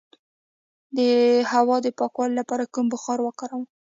د هوا د پاکوالي لپاره کوم بخار وکاروم؟